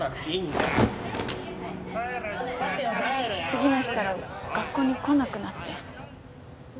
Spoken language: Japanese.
次の日から学校に来なくなって。